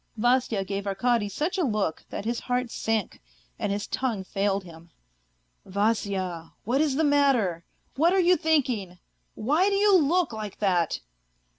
Vasya gave Arkady such a look that his heart sank, and his tongue failed him. " Vasya, what is the matter ? What are you thinking ? Why do you look like that